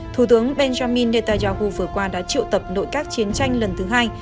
thủ tướng benjamin netanyahu vừa qua đã triệu tập nội các chiến tranh lần thứ hai